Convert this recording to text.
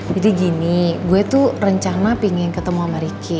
jadi gini gue tuh rencana pingin ketemu sama ricky